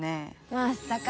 まっさか！